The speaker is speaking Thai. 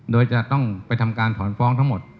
โดยจะต้องไปทำการถอนฟ้องทั้งหมด